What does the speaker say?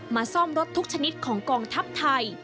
ซ่อมรถทุกชนิดของกองทัพไทย